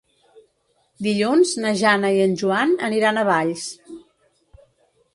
Dilluns na Jana i en Joan aniran a Valls.